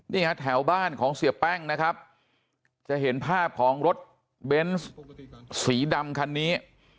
แถวบ้านของเสียแป้งนะครับจะเห็นภาพของรถเบนส์สีดำคันนี้